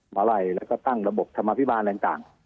มาลัยแล้วก็ตั้งระบบธรรมพิบาลต่าง